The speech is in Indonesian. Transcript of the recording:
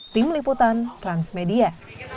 tim liputan transmedia